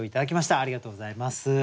ありがとうございます。